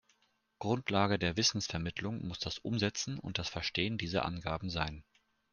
Grundlage der Wissensvermittlung muss das Umsetzen und das Verstehen dieser Angaben sein.